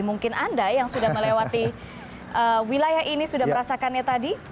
mungkin anda yang sudah melewati wilayah ini sudah merasakannya tadi